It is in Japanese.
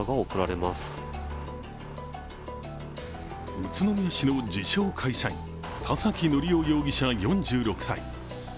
宇都宮市の自称・会社員、田崎敬大容疑者４６歳。